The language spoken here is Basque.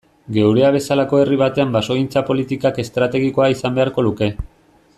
Geurea bezalako herri batean basogintza politikak estrategikoa izan beharko luke.